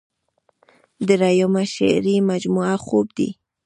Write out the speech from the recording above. دريمه شعري مجموعه خوب دے ۔